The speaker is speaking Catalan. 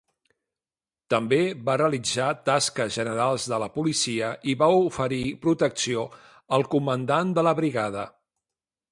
També va realitzar taques generals de la policia i va oferir protecció al comandant de la brigada.